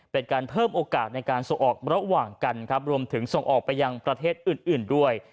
เป็นการเพิ่มโอกาสในการส่งออกระหว่างกันครับรวมถึงส่งออกไปยังประเทศอื่นด้วย